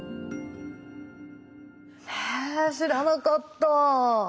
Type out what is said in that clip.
へえ知らなかった。